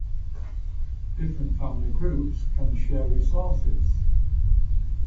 Different family groups can share resources.